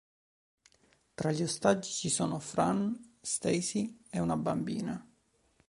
Tra gli ostaggi ci sono Fran, Stacy e una bambina.